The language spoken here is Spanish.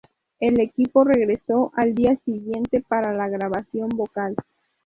El equipo regresó al día siguiente para la grabación vocal.